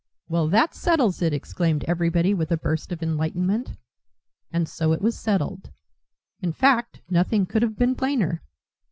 "Well, that settles it!" exclaimed everybody with a burst of enlightenment. And so it was settled. In fact, nothing could have been plainer.